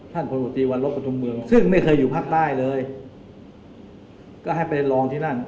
ท่านพนธุตีวรรศปธรรมเมืองซึ่งไม่เคยอยู่ภาคใต้เลยก็ให้ไปลองที่นั่น